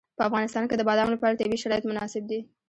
په افغانستان کې د بادام لپاره طبیعي شرایط مناسب دي.